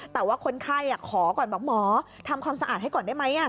แต่ว่าคนไข้ขอก่อนบอกหมอทำความสะอาดให้ก่อนได้ไหม